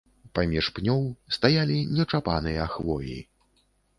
Паміж пнёў стаялі нечапаныя хвоі.